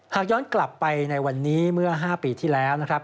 หากย้อนกลับไปในวันนี้เมื่อ๕ปีที่แล้วนะครับ